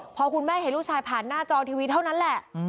พอคุณแม่เห็นลูกชายผ่านหน้าจอทีวีเท่านั้นแหละ